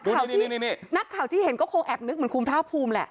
นี่นักข่าวที่เห็นก็คงแอบนึกเหมือนคุณภาคภูมิแหละ